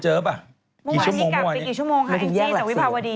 เมื่อวานนี้กลับไปกี่ชั่วโมงคะแองจี้จากวิภาวดี